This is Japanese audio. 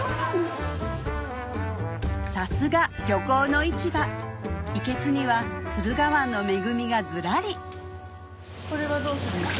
さすが漁港の市場いけすには駿河湾の恵みがずらりこれはどうするんですか？